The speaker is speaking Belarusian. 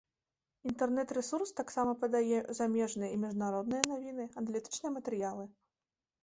Інтэрнэт-рэсурс таксама падае замежныя і міжнародныя навіны, аналітычныя матэрыялы.